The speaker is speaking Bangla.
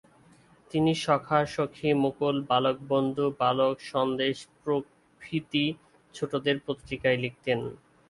তিনি সখা, সখী, মুকুল, বালকবন্ধু, বালক, সন্দেশ প্রভৃতি ছোটদের পত্রিকায় লিখতেন।